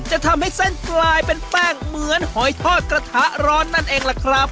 จะทำให้เส้นกลายเป็นแป้งเหมือนหอยทอดกระทะร้อนนั่นเองล่ะครับ